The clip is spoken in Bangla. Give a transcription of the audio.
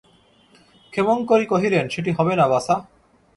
ক্ষেমংকরী কহিলেন, সেটি হবে না বাছা!